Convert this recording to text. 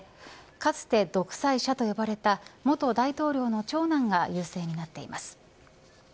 かつて独裁者と呼ばれた元大統領の長男が優勢になっています。